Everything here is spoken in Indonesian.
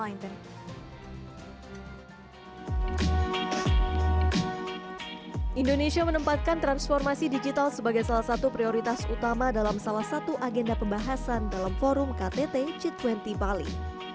indonesia menempatkan transformasi digital sebagai salah satu prioritas utama dalam salah satu agenda pembahasan dalam forum ktt g dua puluh bali